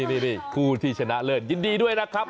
นี่คู่ที่ชนะเลิศยินดีด้วยนะครับ